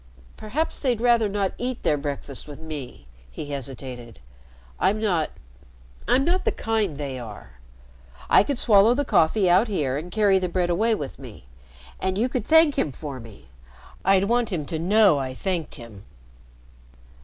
"Perhaps they'd rather not eat their breakfast with me," he hesitated. "I'm not I'm not the kind they are. I could swallow the coffee out here and carry the bread away with me. And you could thank him for me. I'd want him to know I thanked him."